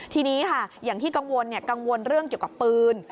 ทีนี้ค่ะอย่างที่กังวลกังวลเรื่องเกี่ยวกับปืน